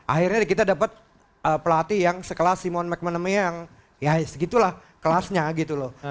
akhirnya kita dapat pelatih yang sekelas simon mcmanamy yang ya segitulah kelasnya gitu loh